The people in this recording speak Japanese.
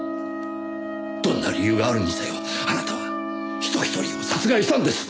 どんな理由があるにせよあなたは人一人を殺害したんです！